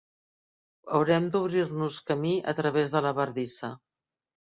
Haurem d'obrir-nos camí a través de la bardissa.